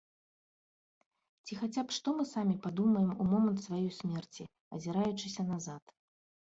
Ці хаця б што мы самі падумаем у момант сваёй смерці, азіраючыся назад?